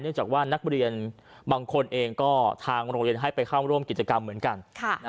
จากว่านักเรียนบางคนเองก็ทางโรงเรียนให้ไปเข้าร่วมกิจกรรมเหมือนกัน